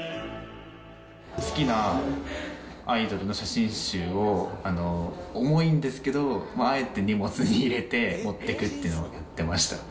好きなアイドルの写真集を、重いんですけど、あえて荷物に入れて持ってくっていうのやってました。